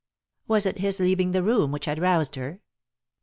Was it his leaving the room which had roused her